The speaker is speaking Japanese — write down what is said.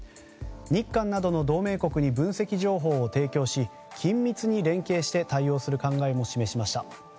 日韓などの同盟国に分析情報を提供し緊密に連携して対応する考えも示しました。